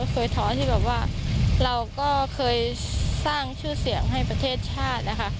เคยท้อที่แบบว่าเราก็เคยสร้างชื่อเสียงให้ประเทศชาตินะคะ